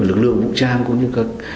lực lượng vũ trang cũng như